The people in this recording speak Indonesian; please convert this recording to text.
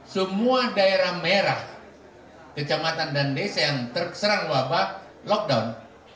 semua daerah merah kecamatan dan desa yang terserang wabah lockdown